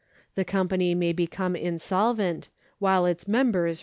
The company may become insolvent, while its members remain rich.